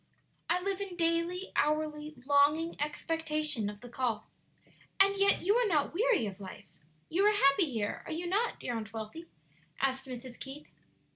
"I live in daily, hourly longing expectation of the call." "And yet you are not weary of life? you are happy here, are you not, dear Aunt Wealthy?" asked Mrs. Keith.